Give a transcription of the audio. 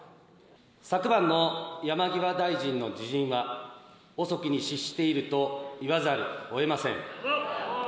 昨晩の山際大臣の辞任は、遅きに失していると言わざるをえません。